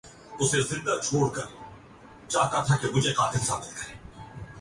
دنیا کی ہر فوج کا تربیتی نظام انہی خطوط پر استوار ہوتا ہے۔